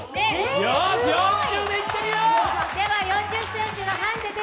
よし、４０でいってみよう！